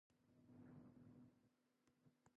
The cabinet is presided over by the mayor.